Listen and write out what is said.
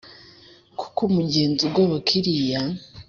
Kuko umugenzi ugoboka iriya